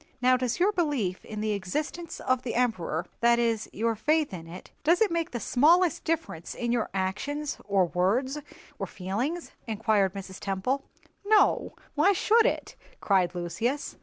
"Now does your belief in the existence of the Emperor—that is, your faith in it—does it make the smallest difference in your actions, or words, or feelings?" inquired Mrs. Temple. "No, why should it?" cried Lucius.